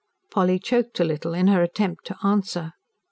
Polly choked a little, in her attempt to answer.